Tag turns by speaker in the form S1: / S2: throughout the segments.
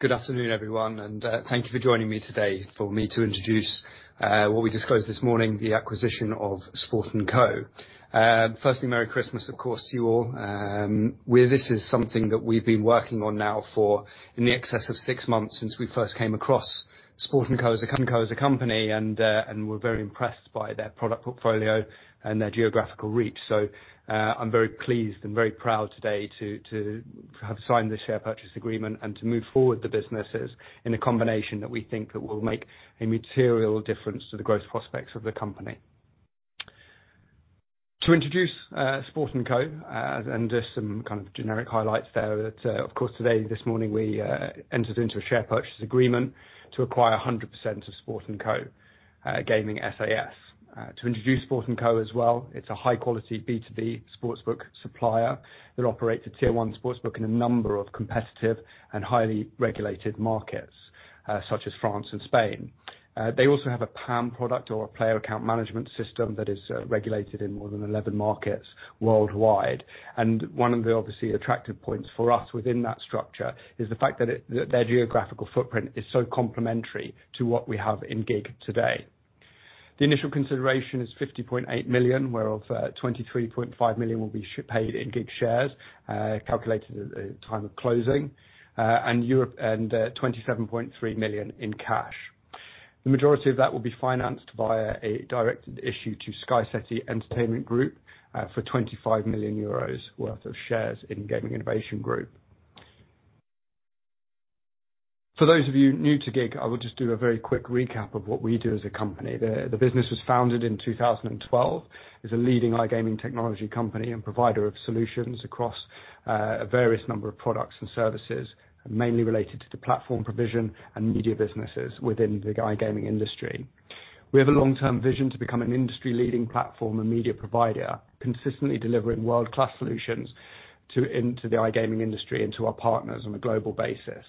S1: Good afternoon, everyone, and thank you for joining me today for me to introduce what we disclosed this morning, the acquisition of Sportnco. Firstly, Merry Christmas, of course, to you all. Well, this is something that we've been working on now for in the excess of six months since we first came across Sportnco as a company, and we're very impressed by their product portfolio and their geographical reach. I'm very pleased and very proud today to have signed the share purchase agreement and to move forward the businesses in a combination that we think that will make a material difference to the growth prospects of the company. To introduce Sportnco and just some kind of generic highlights there that, of course, today, this morning, we entered into a share purchase agreement to acquire 100% of Sportnco Gaming SAS. To introduce Sportnco as well, it's a high-quality B2B sportsbook supplier that operates a tier-one sportsbook in a number of competitive and highly regulated markets, such as France and Spain. They also have a PAM product or a player account management system that is regulated in more than 11 markets worldwide. One of the obviously attractive points for us within that structure is the fact that their geographical footprint is so complementary to what we have in GiG today. The initial consideration is 50.8 million, whereof 23.5 million will be paid in GiG shares, calculated at the time of closing, and 27.3 million in cash. The majority of that will be financed via a directed issue to SkyCity Entertainment Group for 25 million euros worth of shares in Gaming Innovation Group. For those of you new to GiG, I will just do a very quick recap of what we do as a company. The business was founded in 2012, is a leading iGaming technology company and provider of solutions across various number of products and services, mainly related to the platform provision and media businesses within the iGaming industry. We have a long-term vision to become an industry-leading platform and media provider, consistently delivering world-class solutions into the iGaming industry and to our partners on a global basis.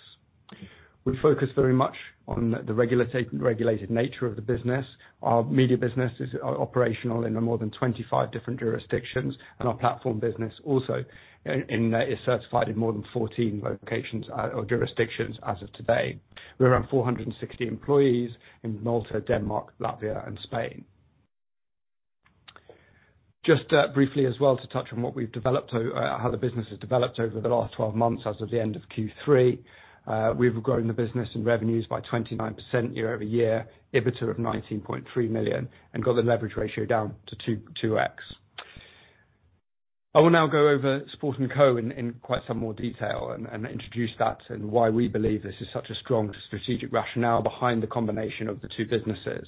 S1: We focus very much on the regulated nature of the business. Our media businesses are operational in more than 25 different jurisdictions, and our platform business also is certified in more than 14 locations or jurisdictions as of today. We have around 460 employees in Malta, Denmark, Latvia and Spain. Just briefly as well to touch on what we've developed or how the business has developed over the last 12 months as of the end of Q3, we've grown the business and revenues by 29% year-over-year, EBITDA of 19.3 million, and got the leverage ratio down to 2x. I will now go over Sportnco in quite some more detail and introduce that and why we believe this is such a strong strategic rationale behind the combination of the two businesses.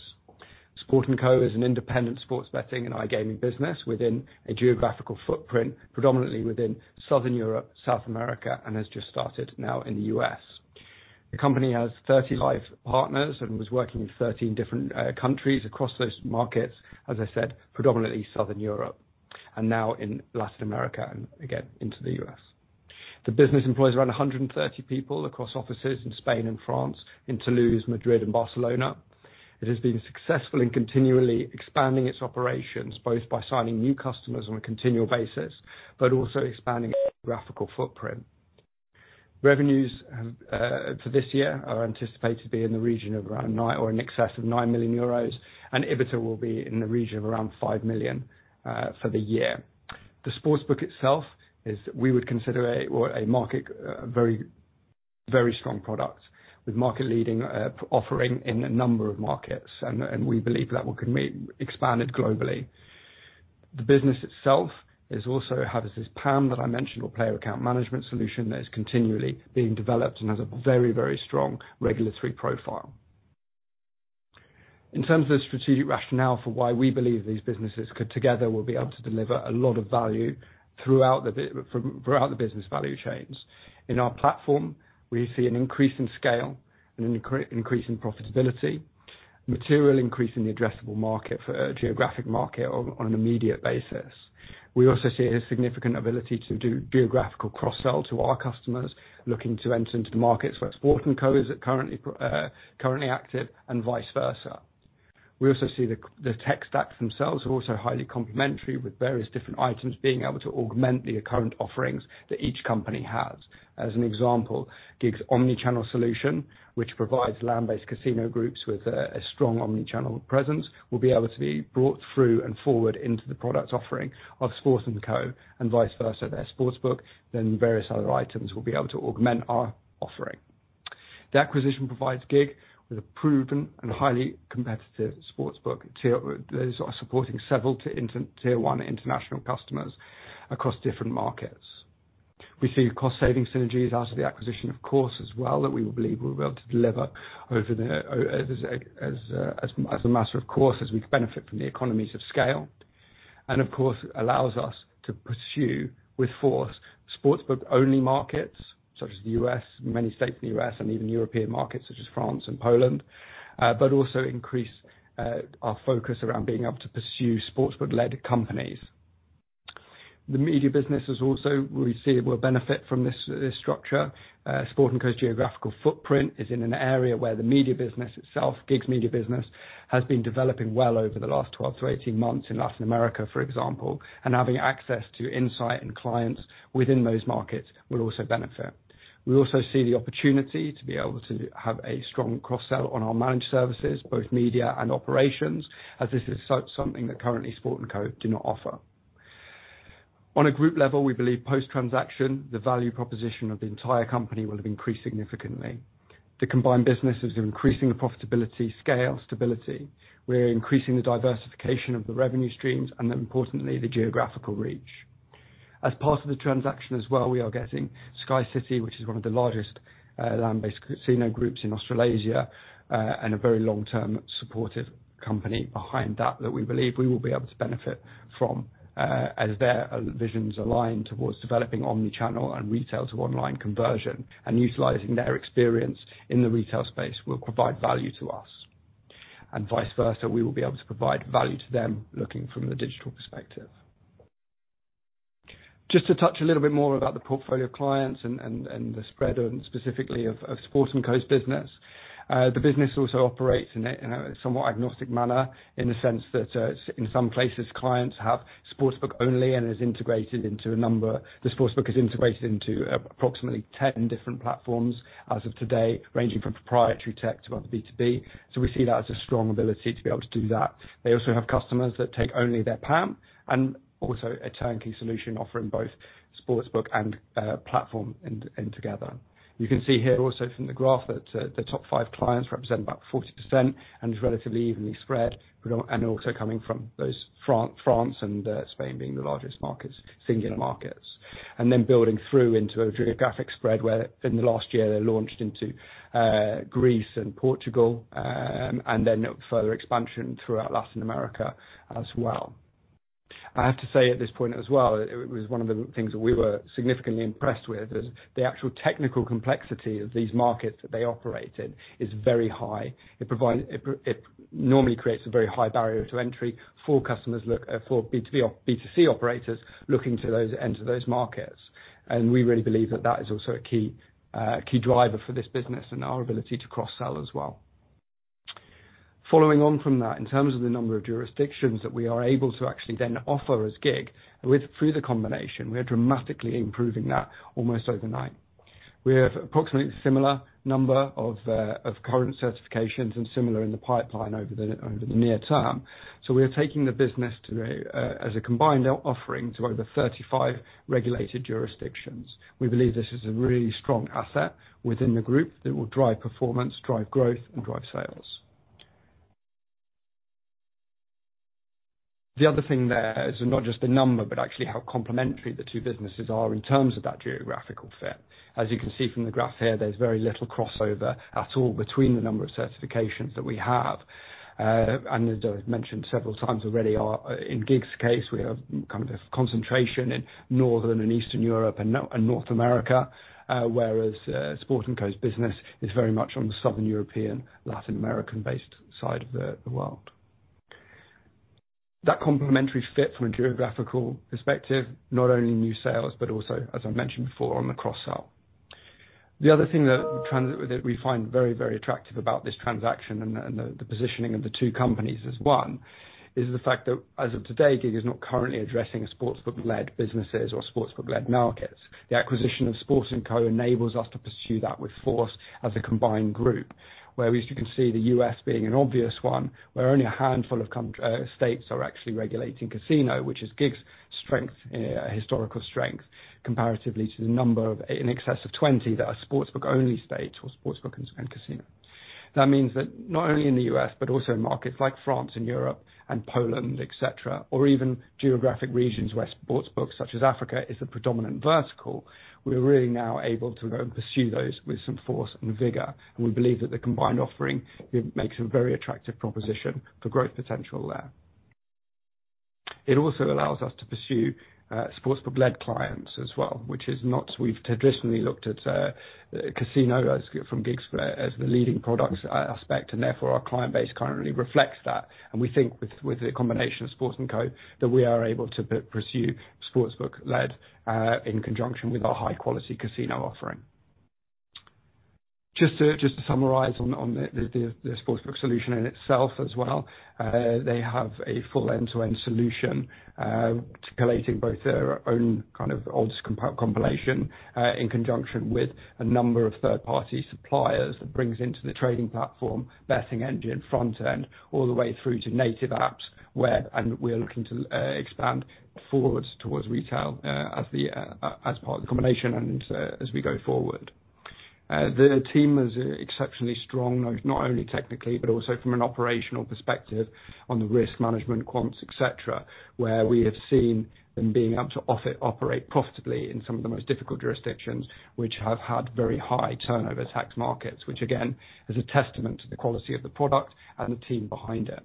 S1: Sportnco is an independent sports betting and iGaming business within a geographical footprint, predominantly within Southern Europe, South America, and has just started now in the U.S. The company has 30 live partners and was working in 13 different countries across those markets, as I said, predominantly Southern Europe, and now in Latin America and again into the U.S. The business employs around 130 people across offices in Spain and France, in Toulouse, Madrid and Barcelona. It has been successful in continually expanding its operations, both by signing new customers on a continual basis, but also expanding its geographical footprint. Revenues for this year are anticipated to be in the region of around nine million or in excess of nine million euros, and EBITDA will be in the region of around five million for the year. The sportsbook itself is we would consider a well a market a very strong product with market-leading offering in a number of markets, and we believe that we can expand it globally. The business itself is also has this PAM that I mentioned, or player account management solution, that is continually being developed and has a very strong regulatory profile. In terms of the strategic rationale for why we believe these businesses could together will be able to deliver a lot of value throughout the business value chains. In our platform, we see an increase in scale and an increase in profitability, material increase in the addressable market for a geographic market on an immediate basis. We also see a significant ability to do geographical cross-sell to our customers looking to enter into the markets where Sportnco is currently active, and vice versa. We also see the tech stacks themselves are also highly complementary, with various different items being able to augment the current offerings that each company has. As an example, GiG's omni-channel solution, which provides land-based casino groups with a strong omni-channel presence, will be able to be brought through and forward into the product offering of Sportnco and vice versa. Their sportsbook, then various other items will be able to augment our offering. The acquisition provides GiG with a proven and highly competitive sportsbook tier that is supporting several tier-one international customers across different markets. We see cost-saving synergies out of the acquisition, of course, as well that we believe we'll be able to deliver over the, as a matter of course, as we benefit from the economies of scale. Of course, it allows us to pursue with force sportsbook-only markets such as the U.S., many states in the U.S., and even European markets such as France and Poland, but also increase our focus around being able to pursue sportsbook-led companies. The media business is also, we see, will benefit from this structure. Sportnco geographical footprint is in an area where the media business itself, GiG's media business, has been developing well over the last 12-18 months in Latin America, for example, and having access to insight and clients within those markets will also benefit. We also see the opportunity to be able to have a strong cross-sell on our managed services, both media and operations, as this is something that currently Sportnco do not offer. On a group level, we believe post-transaction, the value proposition of the entire company will have increased significantly. The combined businesses are increasing the profitability, scale, stability. We're increasing the diversification of the revenue streams, and then importantly, the geographical reach. As part of the transaction as well, we are getting SkyCity, which is one of the largest, land-based casino groups in Australasia, and a very long-term supportive company behind that that we believe we will be able to benefit from, as their visions align towards developing omni-channel and retail to online conversion and utilizing their experience in the retail space will provide value to us. Vice versa, we will be able to provide value to them, looking from the digital perspective. Just to touch a little bit more about the portfolio clients and the spread of them, specifically of Sportnco's business. The business also operates in a somewhat agnostic manner, in the sense that in some places, clients have sportsbook only and is integrated into approximately 10 different platforms as of today, ranging from proprietary tech to other B2B. We see that as a strong ability to be able to do that. They also have customers that take only their PAM, and also a turnkey solution, offering both sportsbook and platform and together. You can see here also from the graph that the top five clients represent about 40% and is relatively evenly spread, but also coming from those France and Spain being the largest markets, singular markets. And then building through into a geographic spread, where in the last year, they launched into Greece and Portugal, and then further expansion throughout Latin America as well. I have to say at this point as well, it was one of the things that we were significantly impressed with, is the actual technical complexity of these markets that they operate in is very high. It normally creates a very high barrier to entry for customers B2B or B2C operators looking to enter those markets. And we really believe that is also a key driver for this business and our ability to cross-sell as well. Following on from that, in terms of the number of jurisdictions that we are able to actually then offer as GiG, through the combination, we are dramatically improving that almost overnight. We have approximately similar number of current certifications and similar in the pipeline over the near term. We are taking the business to as a combined offering to over 35 regulated jurisdictions. We believe this is a really strong asset within the group that will drive performance, drive growth and drive sales. The other thing there is not just the number, but actually how complementary the two businesses are in terms of that geographical fit. As you can see from the graph here, there's very little crossover at all between the number of certifications that we have. As I've mentioned several times already, in GiG's case, we have kind of a concentration in Northern and Eastern Europe and North America, whereas Sportnco's business is very much on the Southern European, Latin American-based side of the world. That complementary fit from a geographical perspective, not only new sales, but also, as I mentioned before, on the cross-sell. The other thing that we find very attractive about this transaction and the positioning of the two companies as one is the fact that as of today, GiG is not currently addressing sportsbook-led businesses or sportsbook-led markets. The acquisition of Sportnco enables us to pursue that with force as a combined group, where, as you can see, the U.S. being an obvious one, where only a handful of states are actually regulating casino, which is GiG's strength, historical strength, comparatively to the number in excess of 20 that are sportsbook-only states or sportsbook and casino. That means that not only in the U.S., but also in markets like France and Europe and Poland, et cetera, or even geographic regions where sportsbooks such as Africa is the predominant vertical, we're really now able to pursue those with some force and vigor. We believe that the combined offering makes a very attractive proposition for growth potential there. It also allows us to pursue sportsbook-led clients as well. We've traditionally looked at casino as from GiG's perspective as the leading products aspect, and therefore our client base currently reflects that. We think with the combination of Sportnco that we are able to pursue sportsbook-led in conjunction with our high-quality casino offering. Just to summarize on the sportsbook solution in itself as well, they have a full end-to-end solution, collating both their own kind of odds compilation, in conjunction with a number of third-party suppliers that brings into the trading platform, betting engine, front end, all the way through to native apps, where we're looking to expand forwards towards retail, as a part of the combination and as we go forward. Their team is exceptionally strong, not only technically, but also from an operational perspective on the risk management, quants, et cetera, where we have seen them being able to operate profitably in some of the most difficult jurisdictions which have had very high turnover tax markets, which again, is a testament to the quality of the product and the team behind it.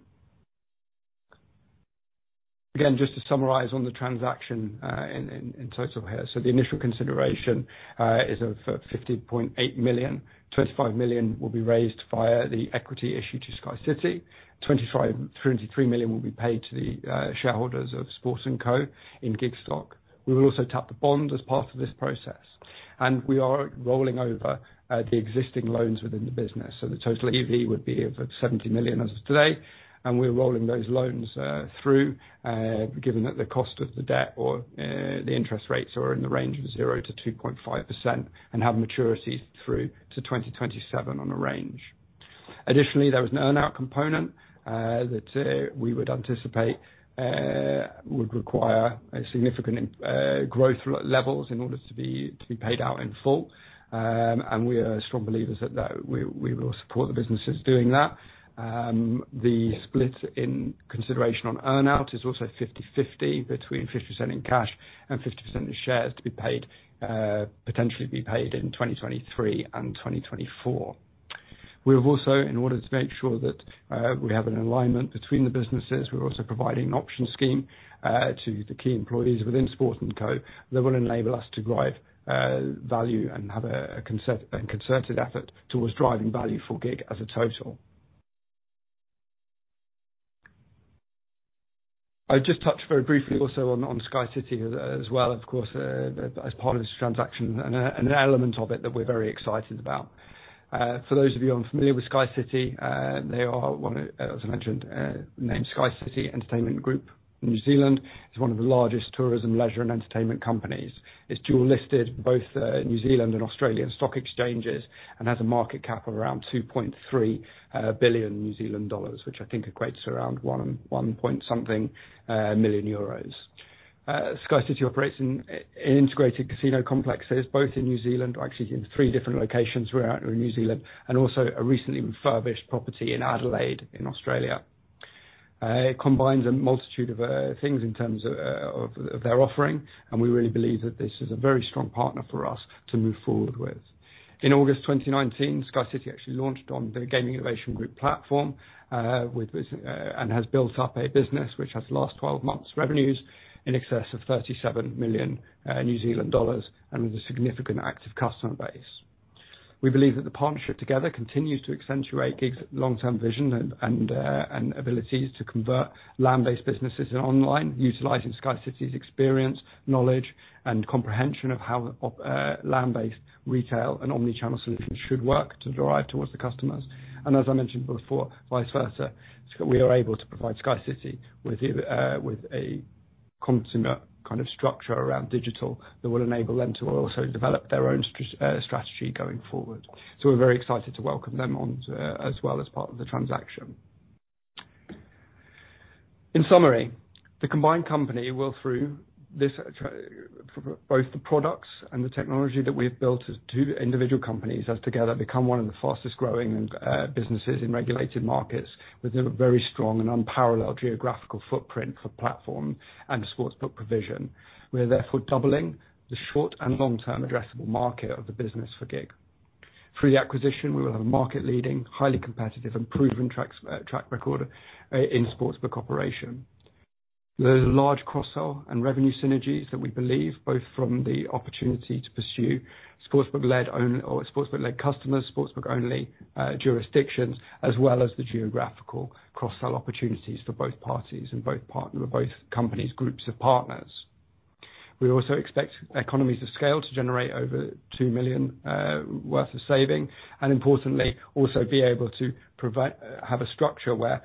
S1: Again, just to summarize on the transaction, in total here. The initial consideration is of 50.8 million. 25 million will be raised via the equity issue to SkyCity. 23 million will be paid to the shareholders of Sportnco in GiG stock. We will also tap the bond as part of this process. And we are rolling over the existing loans within the business. The total EV would be of 70 million as of today, and we're rolling those loans through. Given that the cost of the debt or the interest rates are in the range of 0%-2.5% and have maturities through to 2027 on a range. Additionally, there was an earn-out component that we would anticipate would require significant growth levels in order to be paid out in full. We are strong believers that we will support the businesses doing that. The split in consideration on earn-out is also 50/50, between 50% in cash and 50% in shares to be paid, potentially to be paid in 2023 and 2024. We have also, in order to make sure that we have an alignment between the businesses, we're also providing an option scheme to the key employees within Sportnco that will enable us to drive value and have a concerted effort towards driving value for GiG as a total. I just touched very briefly also on SkyCity as well, of course, as part of this transaction and an element of it that we're very excited about. For those of you unfamiliar with SkyCity, as I mentioned, named SkyCity Entertainment Group, New Zealand, is one of the largest tourism, leisure, and entertainment companies. It's dual listed both New Zealand and Australian stock exchanges and has a market cap of around 2.3 billion New Zealand dollars, which I think equates to around one point something million. SkyCity operates in integrated casino complexes both in New Zealand or actually in three different locations throughout New Zealand, and also a recently refurbished property in Adelaide, in Australia. It combines a multitude of things in terms of their offering, and we really believe that this is a very strong partner for us to move forward with. In August 2019, SkyCity actually launched on the Gaming Innovation Group platform with this and has built up a business which has last twelve months revenues in excess of 37 million New Zealand dollars and with a significant active customer base. We believe that the partnership together continues to accentuate GiG's long-term vision and abilities to convert land-based businesses and online, utilizing SkyCity's experience, knowledge, and comprehension of how land-based retail and omni-channel solutions should work to drive towards the customers. As I mentioned before, vice versa, we are able to provide SkyCity with a consumer kind of structure around digital that will enable them to also develop their own strategy going forward. We're very excited to welcome them on to as well as part of the transaction. In summary, the combined company will, through this both the products and the technology that we've built as two individual companies, as together become one of the fastest growing businesses in regulated markets with a very strong and unparalleled geographical footprint for platform and sportsbook provision. We are therefore doubling the short and long-term addressable market of the business for GiG. Through the acquisition, we will have a market leading, highly competitive and proven track record in sportsbook operation. There's large cross-sell and revenue synergies that we believe both from the opportunity to pursue sportsbook-led own or sportsbook-led customers, sportsbook-only jurisdictions, as well as the geographical cross-sell opportunities for both parties and both companies, groups of partners. We also expect economies of scale to generate over 2 million worth of savings and importantly, also be able to have a structure where,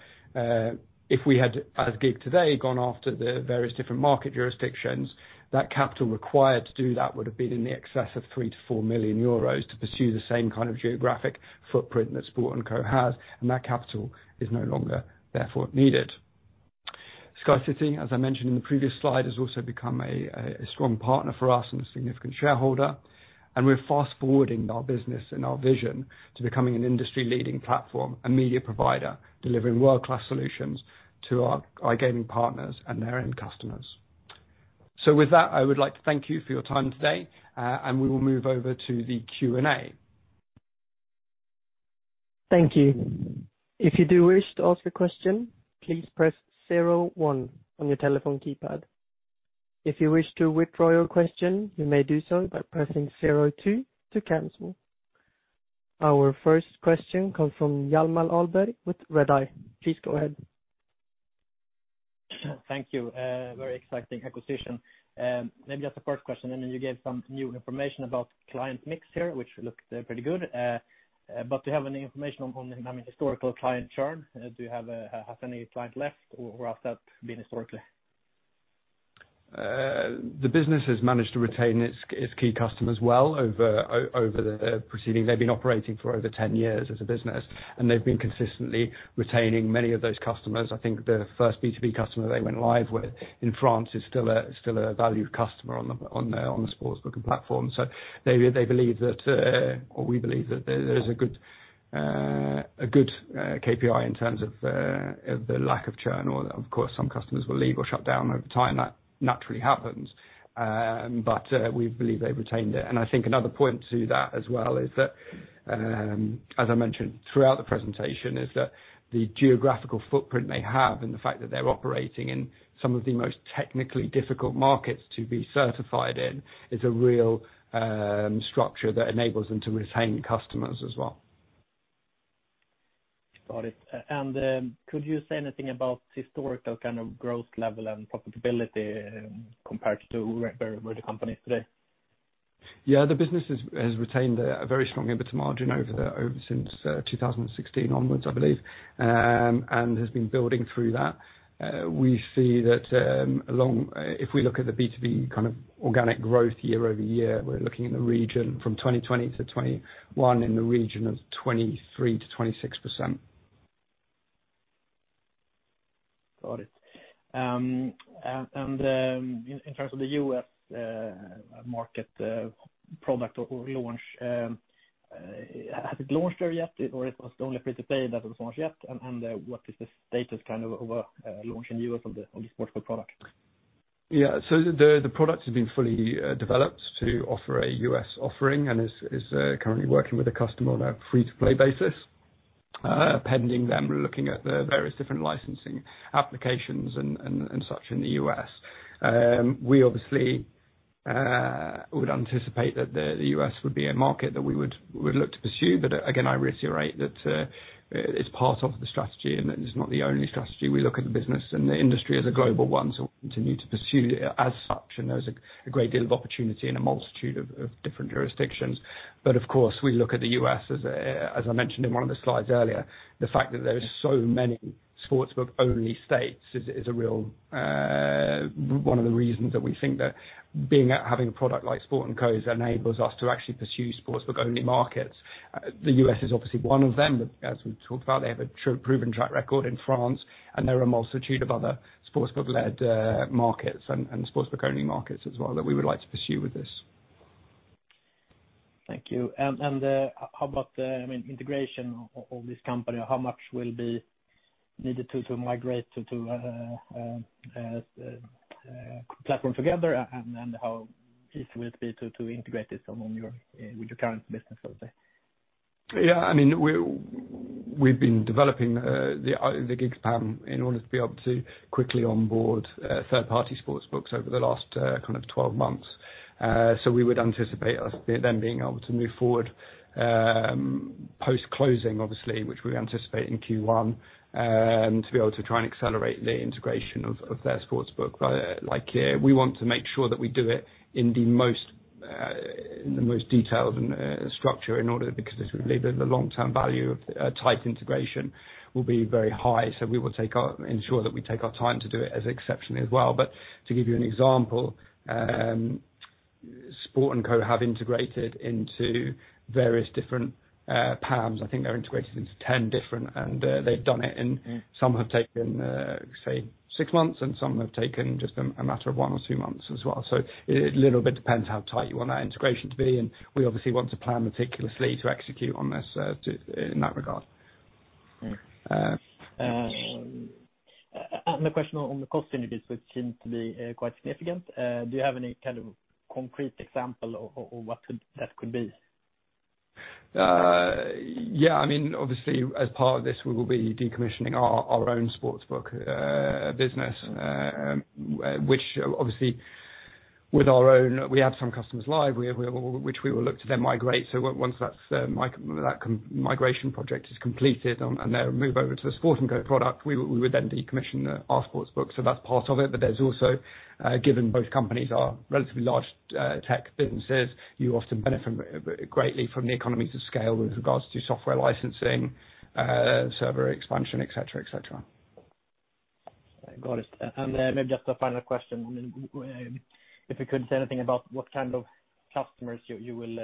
S1: if we had, as GiG today, gone after the various different market jurisdictions, that capital required to do that would have been in excess of 3 million-4 million euros to pursue the same kind of geographic footprint that Sportnco has, and that capital is no longer therefore needed. SkyCity, as I mentioned in the previous slide, has also become a strong partner for us and a significant shareholder, and we're fast-forwarding our business and our vision to becoming an industry-leading platform and media provider, delivering world-class solutions to our gaming partners and their end customers. With that, I would like to thank you for your time today, and we will move over to the Q&A.
S2: Thank you. If you do wish to ask a question, please press zero one on your telephone keypad. If you wish to withdraw your question, you may do so by pressing zero two to cancel. Our first question comes from Hjalmar Ahlberg with Redeye. Please go ahead.
S3: Thank you. Very exciting acquisition. Maybe as a first question, and then you gave some new information about client mix here, which looked pretty good. But do you have any information on, I mean, historical client churn? Do you have, has any client left or has that been historically?
S1: The business has managed to retain its key customers well over the preceding. They've been operating for over 10 years as a business, and they've been consistently retaining many of those customers. I think the first B2B customer they went live with in France is still a valued customer on the sportsbook and platform. We believe that there is a good KPI in terms of the lack of churn, or of course, some customers will leave or shut down over time. That naturally happens. But we believe they retained it. I think another point to that as well is that, as I mentioned throughout the presentation, the geographical footprint they have and the fact that they're operating in some of the most technically difficult markets to be certified in is a real structure that enables them to retain customers as well.
S3: Got it. And then could you say anything about historical kind of growth level and profitability compared to where the company is today?
S1: Yeah. The business has retained a very strong EBITDA margin over since 2016 onwards, I believe, and has been building through that. We see that, if we look at the B2B kind of organic growth year-over-year, we're looking in the region from 2020-2021 in the region of 23%-26%.
S3: Got it. In terms of the U.S. market, product or launch, has it launched there yet? Is it only fair to say that it's not yet? What is the status kind of over launch in U.S. on the sportsbook product?
S1: The product has been fully developed to offer a U.S. offering and is currently working with a customer on a free-to-play basis, pending them looking at the various different licensing applications and such in the U.S. We obviously would anticipate that the U.S. would be a market that we would look to pursue. Again, I reiterate that it's part of the strategy and it's not the only strategy. We look at the business and the industry as a global one, we continue to pursue it as such, and there's a great deal of opportunity and a multitude of different jurisdictions. Of course, we look at the U.S. as I mentioned in one of the slides earlier, the fact that there are so many sportsbook only states is a real, one of the reasons that we think that having a product like Sportnco enables us to actually pursue sportsbook only markets. The U.S. is obviously one of them, but as we talked about, they have a proven track record in France and there are a multitude of other sportsbook-led, markets and sportsbook only markets as well that we would like to pursue with this.
S3: Thank you. How about the integration of this company? How much will be needed to platform together, and how easy will it be to integrate this with your current business, let's say?
S1: Yeah, I mean, we've been developing the GiG PAM in order to be able to quickly onboard third-party sportsbooks over the last kind of 12 months. We would anticipate them being able to move forward post-closing obviously, which we anticipate in Q1, to be able to try and accelerate the integration of their sportsbook. Like here, we want to make sure that we do it in the most detailed and structured order because the long-term value of tight integration will be very high. We will ensure that we take our time to do it as exceptionally well. To give you an example, Sportnco have integrated into various different PAMs. I think they're integrated into 10 different and they've done it and some have taken, say, six months, and some have taken just a matter of one or two months as well. It a little bit depends how tight you want that integration to be, and we obviously want to plan meticulously to execute on this in that regard.
S3: The question on the cost synergies, which seem to be quite significant. Do you have any kind of concrete example or what could that be?
S1: I mean, obviously as part of this, we will be decommissioning our own sports book business. We have some customers live, which we will look to then migrate. Once that migration project is completed and they move over to the Sportnco product, we would then decommission our sports book. That's part of it. There's also, given both companies are relatively large tech businesses, you often benefit greatly from the economies of scale with regards to software licensing, server expansion, et cetera, et cetera.
S3: Got it. Maybe just a final question. If you could say anything about what kind of customers you will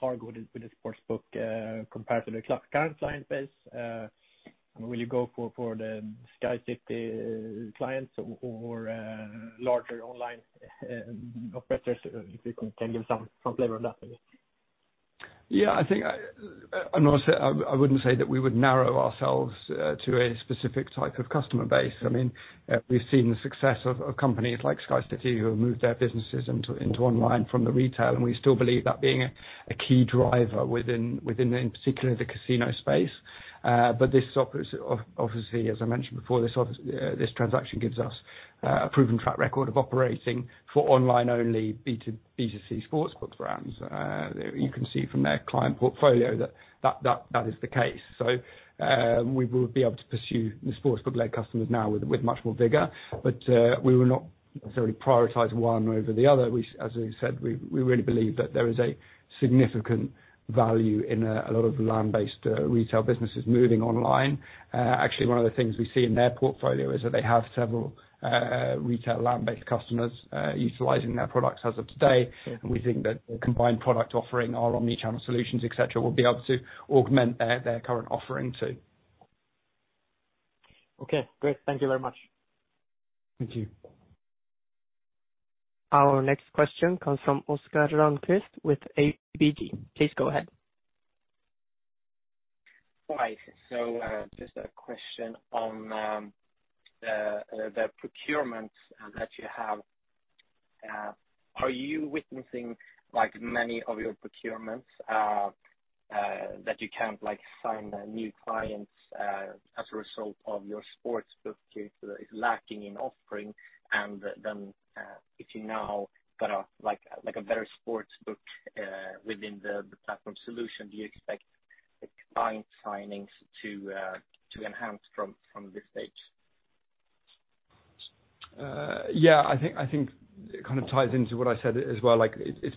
S3: target with the sports book compared to the current client base. Will you go for the SkyCity clients or larger online operators? If you can give some flavor on that maybe.
S1: Yeah, I think I wouldn't say that we would narrow ourselves to a specific type of customer base. I mean, we've seen the success of companies like SkyCity who have moved their businesses into online from the retail, and we still believe that being a key driver within, in particular the casino space. But obviously, as I mentioned before, this transaction gives us a proven track record of operating for online only B2C sports book brands. You can see from their client portfolio that is the case. We will be able to pursue the sports book led customers now with much more vigor. We will not necessarily prioritize one over the other. As we said, we really believe that there is a significant value in a lot of land-based retail businesses moving online. Actually, one of the things we see in their portfolio is that they have several retail land-based customers utilizing their products as of today. We think that the combined product offering our omni-channel solutions, et cetera, will be able to augment their current offering too.
S3: Okay, great. Thank you very much.
S1: Thank you.
S2: Our next question comes from Oskar Rönnkvist with ABG. Please go ahead.
S4: Hi. Just a question on the procurement that you have. Are you witnessing, like, many of your procurements that you can't, like, sign new clients as a result of your sportsbook due to its lacking in offering and then if you now got a, like, a better sportsbook Within the platform solution, do you expect the client signings to enhance from this stage?
S1: Yeah, I think it kind of ties into what I said as well, like, it's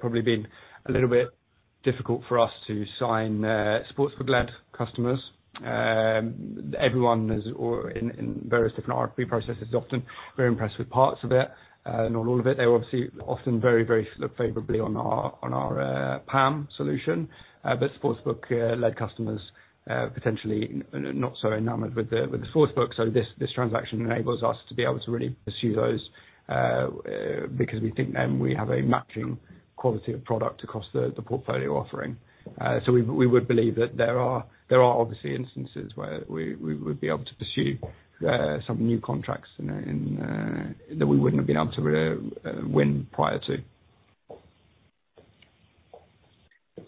S1: probably been a little bit difficult for us to sign sportsbook-led customers. Everyone is all in on various different RFP processes, often very impressed with parts of it, not all of it. They obviously often look very favorably on our PAM solution. But sportsbook-led customers potentially not so enamored with the sportsbook. This transaction enables us to be able to really pursue those because we think then we have a matching quality of product across the portfolio offering. So, we would believe that there are obviously instances where we would be able to pursue some new contracts in that we wouldn't have been able to win prior to.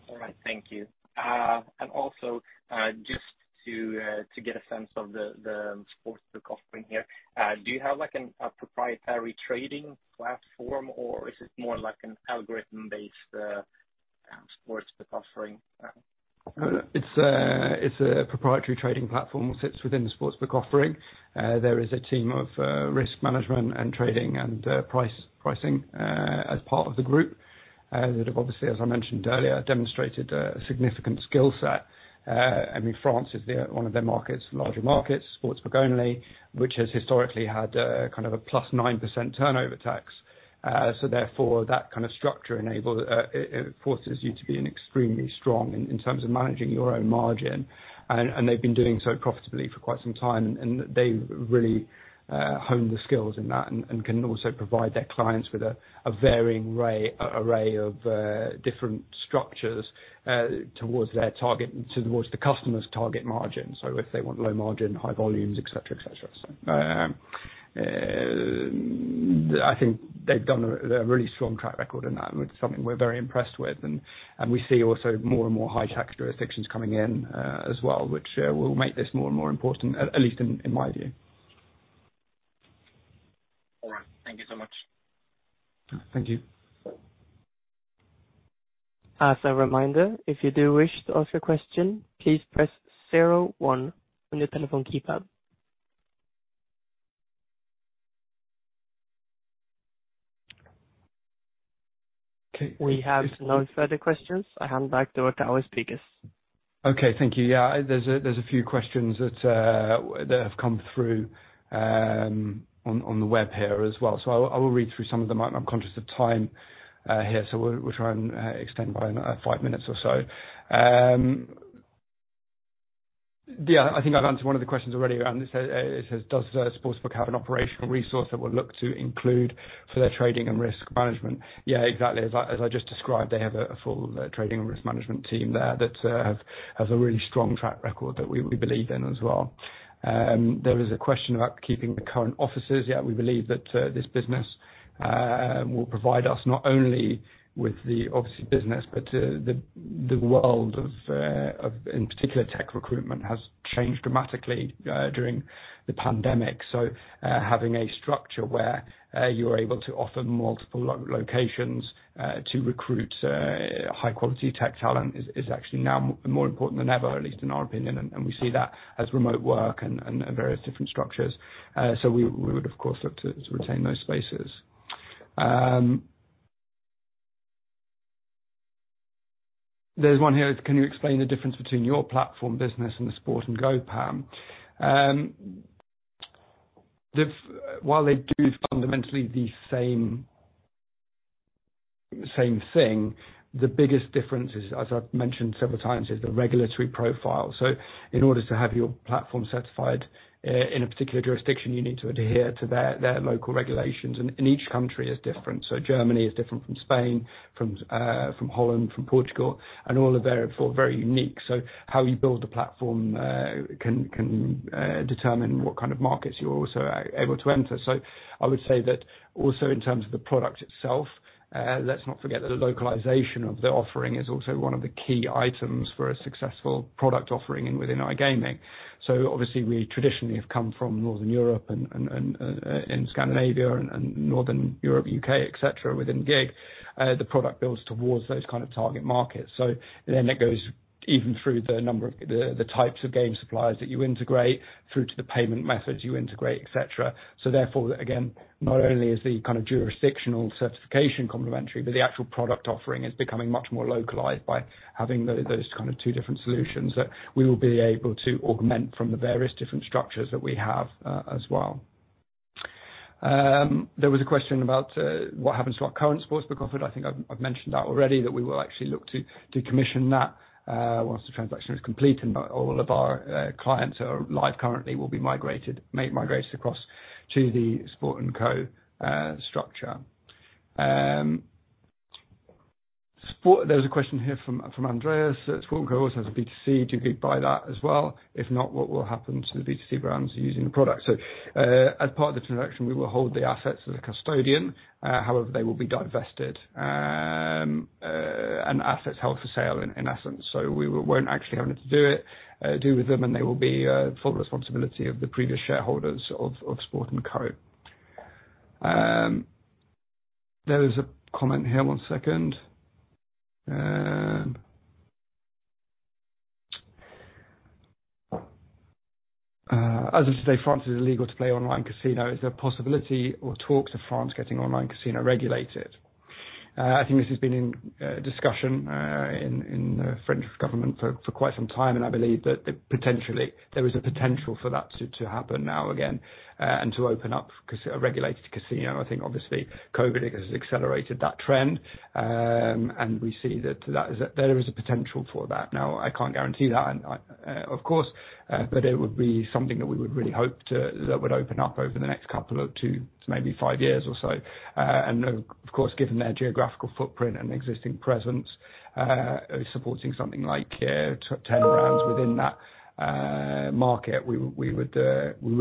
S4: All right. Thank you. Also, just to get a sense of the sportsbook offering here, do you have like, a proprietary trading platform, or is it more like an algorithm-based sportsbook offering?
S1: No, it's a proprietary trading platform which sits within the sportsbook offering. There is a team of risk management and trading and pricing as part of the group that have obviously, as I mentioned earlier, demonstrated a significant skill set. I mean, France is one of their larger markets, sportsbook only, which has historically had kind of a +9% turnover tax. So therefore that kind of structure enables it forces you to be extremely strong in terms of managing your own margin. They've been doing so profitably for quite some time, and they've really honed the skills in that and can also provide their clients with a varying array of different structures towards the customer's target margin. If they want low margin, high volumes, et cetera, et cetera. I think they've done a really strong track record in that, and it's something we're very impressed with. We see also more and more high tax jurisdictions coming in, as well, which will make this more and more important, at least in my view.
S4: All right. Thank you so much.
S1: Thank you.
S2: As a reminder, if you do wish to ask a question, please press zero one on your telephone keypad.
S1: Okay.
S2: We have no further questions. I hand back over to our speakers.
S1: Okay. Thank you. Yeah, there's a few questions that have come through on the web here as well. I will read through some of them. I'm conscious of time here, so we'll try and extend by another five minutes or so. Yeah, I think I've answered one of the questions already. It says, "Does the sportsbook have an operational resource that we'll look to include for their trading and risk management?" Yeah, exactly. As I just described, they have a full trading and risk management team there that has a really strong track record that we believe in as well. There is a question about keeping the current offices. Yeah, we believe that this business will provide us not only with the obviously business, but the world of in particular tech recruitment has changed dramatically during the pandemic. Having a structure where you're able to offer multiple locations to recruit high quality tech talent is actually now more important than ever, at least in our opinion. We see that as remote work and various different structures. We would of course look to retain those spaces. There's one here: "Can you explain the difference between your platform business and the Sportnco PAM?" While they do fundamentally the same thing, the biggest difference is, as I've mentioned several times, is the regulatory profile. In order to have your platform certified in a particular jurisdiction, you need to adhere to their local regulations. Each country is different. Germany is different from Spain, Holland, Portugal, and all are therefore very unique. How you build a platform can determine what kind of markets you're also able to enter. I would say that also in terms of the product itself, let's not forget that the localization of the offering is also one of the key items for a successful product offering and within iGaming. Obviously we traditionally have come from Northern Europe and in Scandinavia and Northern Europe, UK, et cetera, within GiG, the product builds towards those kind of target markets. That goes even through the number of the types of game suppliers that you integrate through to the payment methods you integrate, et cetera. Again, not only is the kind of jurisdictional certification complementary, but the actual product offering is becoming much more localized by having those kind of two different solutions that we will be able to augment from the various different structures that we have, as well. There was a question about what happens to our current sports book offering. I think I've mentioned that already, that we will actually look to commission that once the transaction is complete and all of our clients are live currently will be migrated across to the Sportnco structure. There's a question here from Andreas. Sportnco also has a B2C. "Do you buy that as well? If not, what will happen to the B2C brands using the product?" As part of the transaction, we will hold the assets as a custodian. However, they will be divested, and assets held for sale in essence. We won't actually have anything to do with them, and they will be full responsibility of the previous shareholders of Sportnco. There is a comment here, one second. "As of today, in France it's illegal to play online casino. Is there a possibility or talks of France getting online casino regulated?" I think this has been in discussion in the French government for quite some time, and I believe that potentially there is a potential for that to happen now again, and to open up a regulated casino. I think obviously COVID has accelerated that trend. We see that there is a potential for that. Now, I can't guarantee that and of course, but it would be something that would open up over the next couple of two to maybe five years or so. Of course, given their geographical footprint and existing presence, supporting something like 10 brands within that market, we would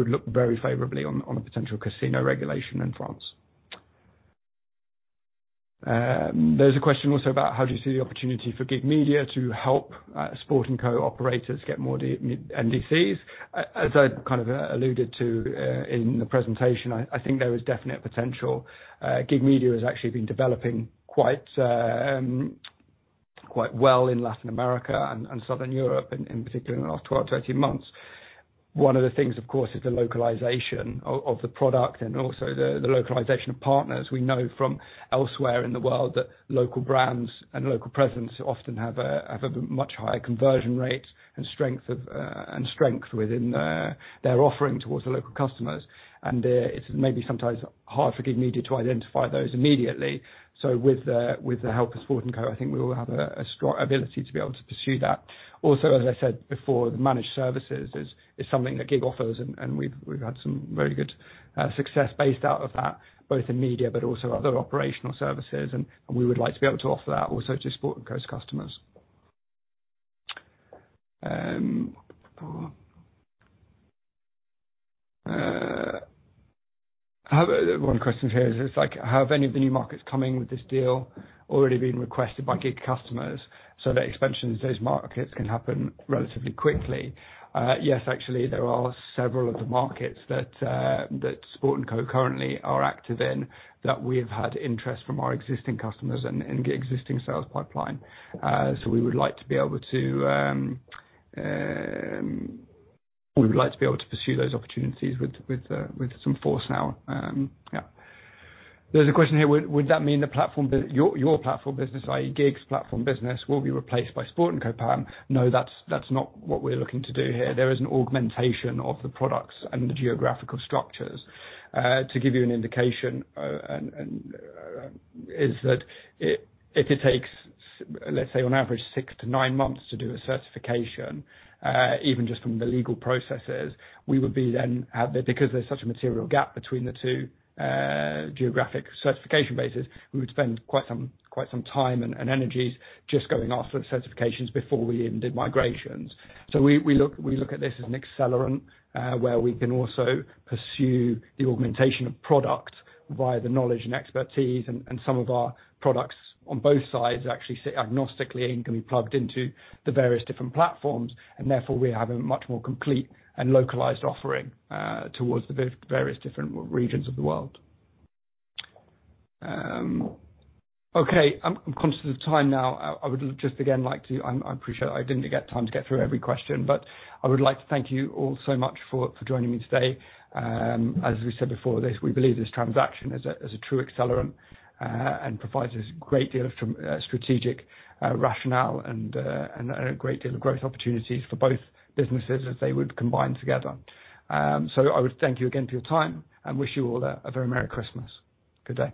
S1: look very favorably on a potential casino regulation in France. There's a question also about how do you see the opportunity for GiG Media to help, Sportnco operators get more NDCs. As I kind of alluded to in the presentation, I think there is definite potential. GiG Media has actually been developing quite well in Latin America and Southern Europe, in particular in the last 12-18 months. One of the things, of course, is the localization of the product and also the localization of partners. We know from elsewhere in the world that local brands and local presence often have a much higher conversion rate and strength within their offering towards the local customers. It may be sometimes hard for GiG Media to identify those immediately. With the help of Sportnco, I think we will have a strong ability to be able to pursue that. Also, as I said before, the managed services is something that GiG offers and we've had some very good success based out of that, both in media but also other operational services, and we would like to be able to offer that also to Sportnco's customers. I have one question here. It's like, have any of the new markets coming with this deal already been requested by GiG customers so that expansion to those markets can happen relatively quickly? Yes, actually, there are several of the markets that Sportnco currently are active in, that we have had interest from our existing customers and existing sales pipeline. We would like to be able to pursue those opportunities with some force now. There's a question here. Would that mean the platform business, your platform business, i.e. GiG's platform business, will be replaced by Sportnco? No, that's not what we're looking to do here. There is an augmentation of the products and the geographical structures. To give you an indication, if it takes let's say on average 6-9 months to do a certification, even just from the legal processes, because there's such a material gap between the two geographic certification bases, we would spend quite some time and energies just going after certifications before we even did migrations. We look at this as an accelerant, where we can also pursue the augmentation of product via the knowledge and expertise. Some of our products on both sides actually sit agnostically and can be plugged into the various different platforms, and therefore, we have a much more complete and localized offering towards the various different regions of the world. Okay, I'm conscious of time now. I appreciate I didn't get time to get through every question, but I would like to thank you all so much for joining me today. As we've said before, we believe this transaction is a true accelerant and provides a great deal of strategic rationale and a great deal of growth opportunities for both businesses as they would combine together. I would thank you again for your time and wish you all a very merry Christmas. Good day.